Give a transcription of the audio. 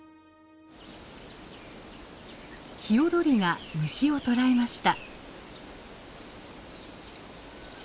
ヒヨドリが虫を捕らえました。